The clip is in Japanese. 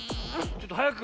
ちょっとはやく。